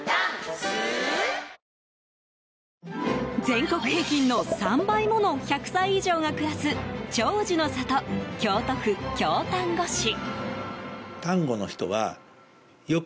全国平均の３倍もの１００歳以上が暮らす長寿の里・京都府京丹後市。